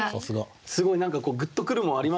すごい何かこうグッとくるものありますね。